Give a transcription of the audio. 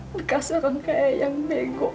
gak serang kayak ayah yang bego